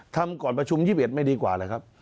ทำก่อนประชุม๒๑ไม่ดีกว่าเลยครับ